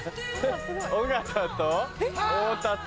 尾形と太田と？